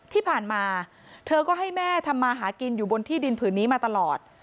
ที่ผ่านมาเธอก็ให้แม่ทำมาหากินอยู่บนที่ดินผืนนี้มาตลอด